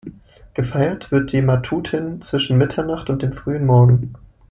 Gefeiert wird die Matutin zwischen Mitternacht und dem frühen Morgen.